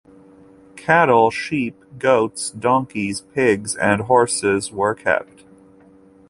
Cattle, sheep, goats, donkeys, pigs and horses were kept.